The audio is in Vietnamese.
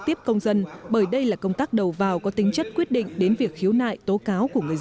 tiếp công dân bởi đây là công tác đầu vào có tính chất quyết định đến việc khiếu nại tố cáo của người dân